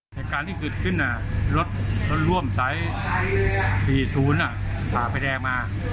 ในการที่กึดขึ้นรถร่วมไซส์๔๐ขาไปแดงมา